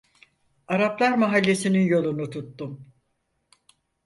Araplar Mahallesi'nin yolunu tuttum.